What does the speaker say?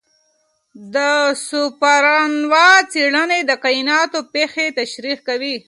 د سوپرنووا څېړنې د کائنات پېښې تشریح کوي.